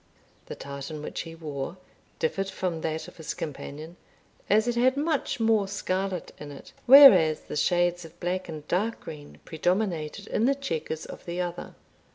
The tartan which he wore differed from that of his companion, as it had much more scarlet in it, whereas the shades of black and dark green predominated in the chequers of the other.